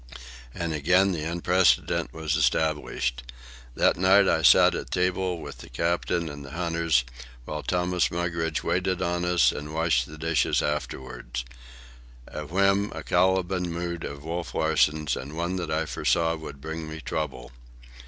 And again the unprecedented was established. That night I sat at table with the captain and the hunters, while Thomas Mugridge waited on us and washed the dishes afterward—a whim, a Caliban mood of Wolf Larsen's, and one I foresaw would bring me trouble.